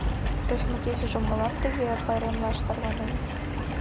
Шочмо кечыжым молан тыге эр пайремлаш тарванен?